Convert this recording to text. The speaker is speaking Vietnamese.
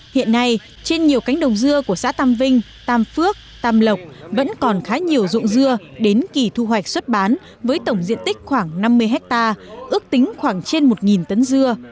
hiện nay trên nhiều cánh đồng dưa của xã tam vinh tam phước tam lộc vẫn còn khá nhiều dụng dưa đến kỳ thu hoạch xuất bán với tổng diện tích khoảng năm mươi hectare ước tính khoảng trên một tấn dưa